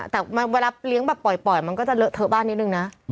แต่เวลาเลี้ยงแบบปล่อยมันก็จะเลอะเทอบ้านนิดนึงนะ